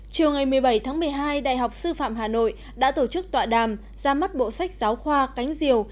chiều ngày một mươi bảy tháng một mươi hai đại học sư phạm hà nội đã tổ chức tọa đàm ra mắt bộ sách giáo khoa cánh diều